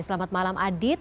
selamat malam adit